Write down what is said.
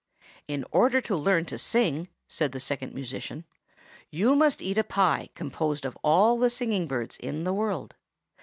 "In order to learn to sing," said the Second Musician, "you must eat a pie composed of all the singing birds in the world.